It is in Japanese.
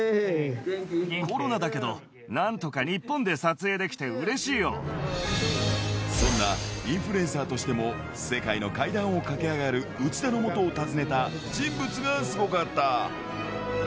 コロナだけど、なんとか日本そんなインフルエンサーとしても、世界の階段を駆け上がる内田のもとを訪ねた人物がすごかった。